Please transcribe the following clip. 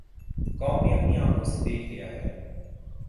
قوم نے اپنی آنکھوں سے دیکھ لیا ہے۔